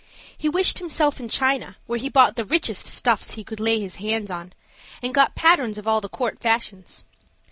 He wished himself in China, where he bought the richest stuffs he could lay his hands on, and got patterns of all the court fashions.